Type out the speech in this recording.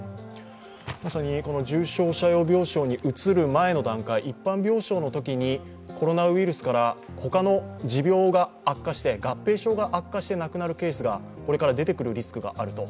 まさに重症者用病床に移る前の段階、一般病床のときにコロナウイルスから他の持病が悪化して、合併症が悪化して亡くなるケースがこれから出てくるリスクがあると。